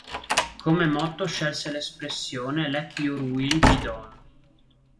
Come motto scelse l'espressione "Let your will be done".